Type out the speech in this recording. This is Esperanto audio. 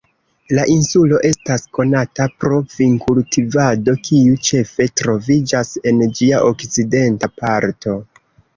La insulo estas konata pro vinkultivado, kiu ĉefe troviĝas en ĝia okcidenta parto.